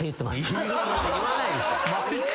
言わないでしょ。